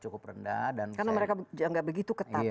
karena mereka tidak begitu ketat ya